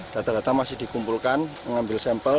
data data masih dikumpulkan mengambil sampel